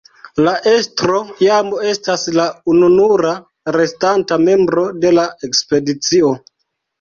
La estro jam estas la ununura restanta membro de la ekspedicio.